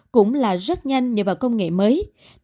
cũng là rất nhanh nhờ vào công nghệ mới